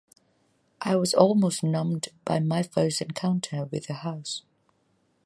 I was almost numbed by my first encounter with the house.